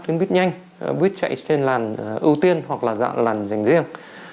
tuyến buýt nhanh buýt chạy trên làn ưu tiên hoặc là dạng làn rành riêng